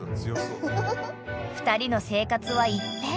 ［２人の生活は一変］